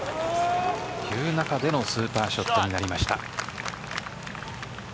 という中でのスーパーショットになりました。